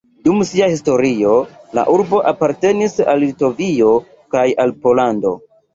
Dum sia historio la urbo apartenis al Litovio kaj al Pollando.